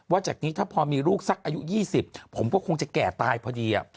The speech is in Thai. จากนี้ถ้าพอมีลูกสักอายุ๒๐ผมก็คงจะแก่ตายพอดี